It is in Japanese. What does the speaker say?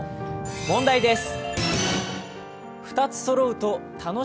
問題です。